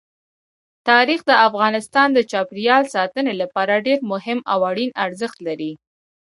تاریخ د افغانستان د چاپیریال ساتنې لپاره ډېر مهم او اړین ارزښت لري.